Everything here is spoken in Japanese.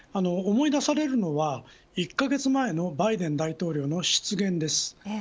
思い出されるのは１カ月前のバイデン大統領の失言です。